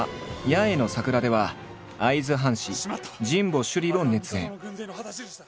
「八重の桜」では会津藩士神保修理を熱演。